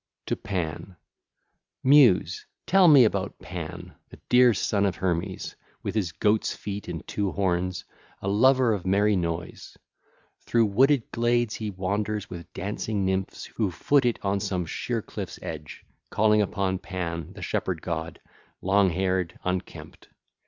2531 XIX. TO PAN (ll. 1 26) Muse, tell me about Pan, the dear son of Hermes, with his goat's feet and two horns—a lover of merry noise. Through wooded glades he wanders with dancing nymphs who foot it on some sheer cliff's edge, calling upon Pan, the shepherd god, long haired, unkempt.